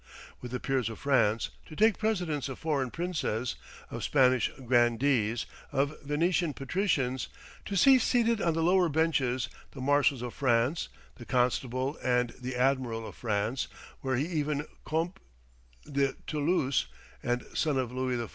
With the peers of France, to take precedence of foreign princes, of Spanish grandees, of Venetian patricians; to see seated on the lower benches the Marshals of France, the Constable and the Admiral of France, were he even Comte de Toulouse and son of Louis XIV.